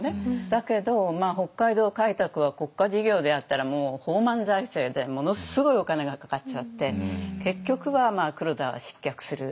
だけど北海道開拓は国家事業でやったらもう放漫財政でものすごいお金がかかっちゃって結局は黒田は失脚する。